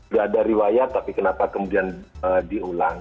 gak ada riwayat tapi kenapa kemudian diulang